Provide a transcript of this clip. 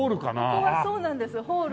ここはそうなんですホール。